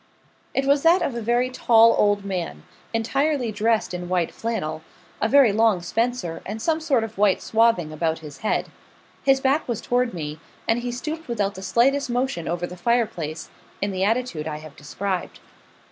It was that of a very tall old man, entirely dressed in white flannel a very long spencer, and some sort of white swathing about his head. His back was toward me; and he stooped without the slightest motion over the fire place, in the attitude I have described.